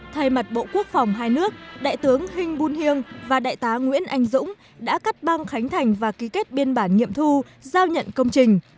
thay mặt bộ quốc phòng hai nước đại tướng hinh bun hiêng và đại tá nguyễn anh dũng đã cắt băng khánh thành và ký kết biên bản nghiệm thu giao nhận công trình